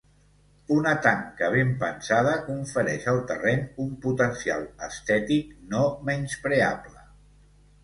Una tanca ben pensada confereix al terreny un potencial estètic no menyspreable.